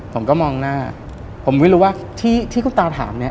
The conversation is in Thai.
ผมก็มองหน้าผมไม่รู้ว่าที่ที่คุณตาถามเนี่ย